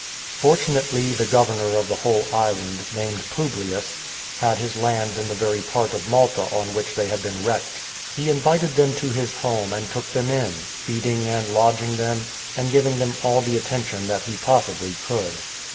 Fortunately the governor of the whole island, named Publius, had his lands in the very part of Malta on which they had 336 FINISHING THE COURSE been wrecked. He invited them to his home and took them in — feeding and lodging them, and giving them all the attention that he possibly could.